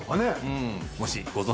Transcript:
うん。